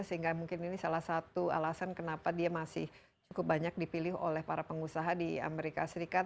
sehingga mungkin ini salah satu alasan kenapa dia masih cukup banyak dipilih oleh para pengusaha di amerika serikat